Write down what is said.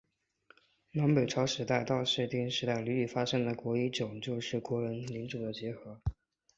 南北朝时代到室町时代屡屡发生的国一揆就是国人领主的结合。